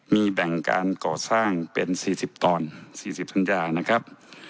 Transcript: มีแบ่งการก่อสร้างเป็น๔๐ตอน๔๐สัญญานะครับ